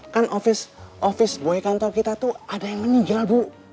kan ofis ofis boy kantor kita tuh ada yang meninjal bu